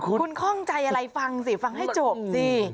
คุณคล่องใจอะไรฟังสิฟังให้จบสิ